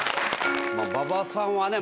馬場さんはね